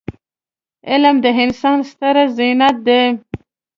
علم د انسان ستره زينت دی.